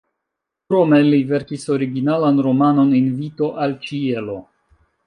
Krome li verkis originalan romanon "Invito al ĉielo".